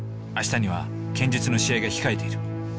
あしたには剣術の試合が控えている。